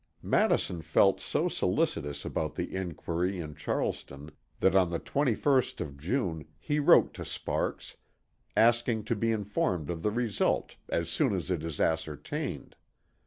Madison felt so solicitous about the inquiry in Charleston that on the 21st of June he wrote to Sparks, asking to be informed of the result "as soon as it is ascertained."